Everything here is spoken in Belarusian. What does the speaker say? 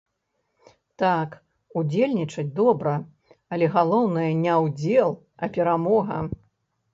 Так, удзельнічаць добра, але галоўнае не ўдзел, а перамога.